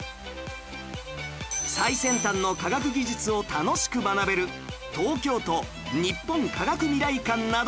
最先端の科学技術を楽しく学べる東京都日本科学未来館など